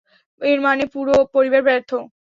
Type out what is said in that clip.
এর মানে পুরো পরিবার ব্যর্থ।